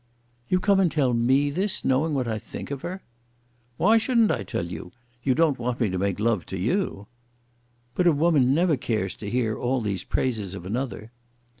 "You come and tell me this, knowing what I think of her." "Why shouldn't I tell you? You don't want me to make love to you?" "But a woman never cares to hear all these praises of another."